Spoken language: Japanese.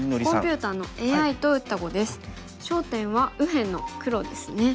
焦点は右辺の黒ですね。